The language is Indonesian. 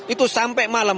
itu sampai malam